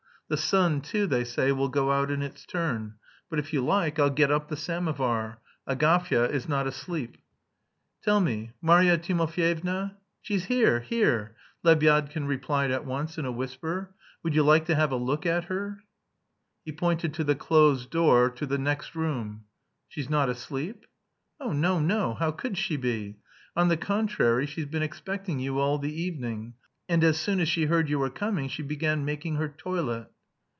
The sun, too, they say, will go out in its turn. But if you like I'll get up the samovar. Agafya is not asleep." "Tell me, Marya Timofyevna..." "She's here, here," Lebyadkin replied at once, in a whisper. "Would you like to have a look at her?" He pointed to the closed door to the next room. "She's not asleep?" "Oh, no, no. How could she be? On the contrary, she's been expecting you all the evening, and as soon as she heard you were coming she began making her toilet."